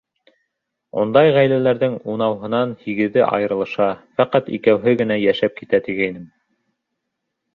Ундай ғаиләләрҙең унауһынан һигеҙе айырылыша, фәҡәт икәүһе генә йәшәп китә, тигәйнем.